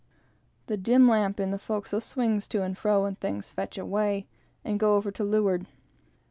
The dim lamp in the forecastle swings to and fro, and things "fetch away" and go over to leeward.